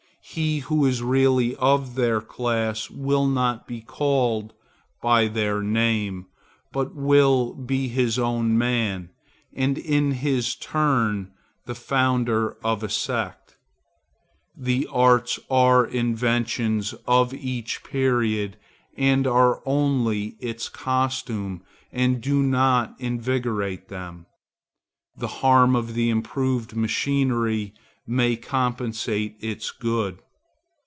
He who is really of their class will not be called by their name, but will be his own man, and in his turn the founder of a sect. The arts and inventions of each period are only its costume and do not invigorate men. The harm of the improved machinery may compensate its good.